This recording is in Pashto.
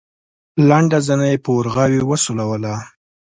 لنډه زنه يې په ورغوي وسولوله.